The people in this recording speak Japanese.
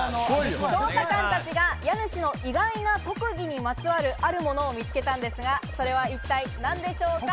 捜査官たちが家主の意外な特技にまつわる、あるものを見つけたんですが、それは一体何でしょうか？